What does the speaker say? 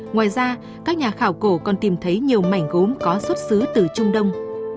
ngoài ra các nhà khảo cổ còn tìm thấy nhiều mảnh gốm có xuất xứ từ trung đông